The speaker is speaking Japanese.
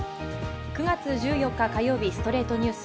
９月１４日、火曜日の『ストレイトニュース』。